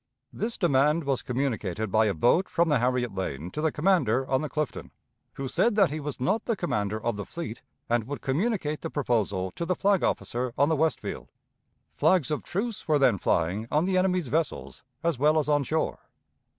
This demand was communicated by a boat from the Harriet Lane to the commander on the Clifton, who said that he was not the commander of the fleet, and would communicate the proposal to the flag officer on the Westfield. Flags of truce were then flying on the enemy's vessels, as well as on shore.